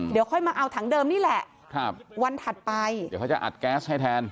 เดี๋ยวค่อยมาเอาถังเดิมนี่แหละครับวันถัดไปเดี๋ยวเขาจะอัดแก๊สให้แทน